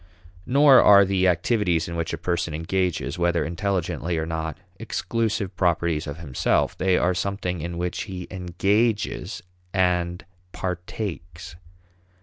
Nor are the activities in which a person engages, whether intelligently or not, exclusive properties of himself; they are something in which he engages and partakes.